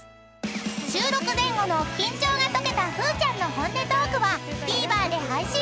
［収録前後の緊張が解けたふーちゃんの本音トークはＴＶｅｒで配信。